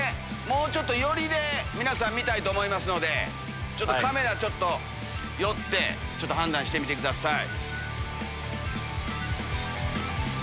もうちょっと寄りで皆さん見たいと思いますのでカメラ寄って判断してみてください。